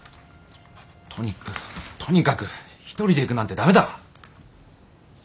とにかくとにかく一人で行くなんて駄目だ！